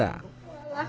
aku setia pak